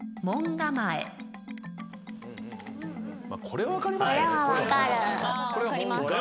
これは分かりますよね。